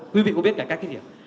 quý vị có biết cải cách cái gì không